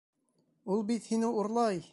Ул бит һине урлай!